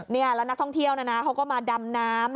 นี่แล้วนักท่องเที่ยวเขาก็มาดำน้ำ